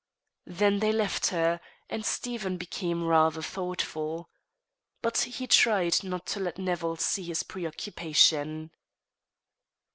Then they left her; and Stephen became rather thoughtful. But he tried not to let Nevill see his preoccupation.